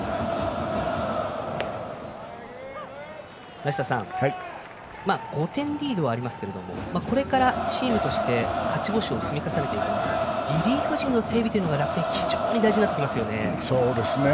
梨田さん５点リードはありますけれどもこれからチームとして勝ち星を積み重ねていくのにリリーフ陣の整備、楽天非常に大事になってきますね。